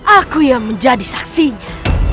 aku yang menjadi saksinya